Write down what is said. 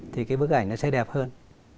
thì cái bức ảnh nó sẽ đẹp hơn